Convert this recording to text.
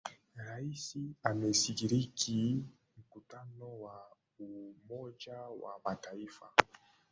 Rais ameshiriki mkutano wa umoja wa Mataifa